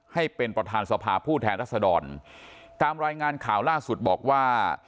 ให้เป็นประธานสภาผู้แทนรัศดรตามรายงานข่าวล่าสุดบอกว่า